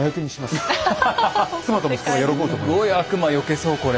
すごい悪魔よけそうこれ。